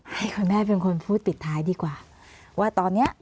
ให้คุณแม่เป็นคนพูดปิดท้ายดีกว่าว่าตอนเนี้ย